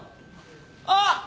あっ！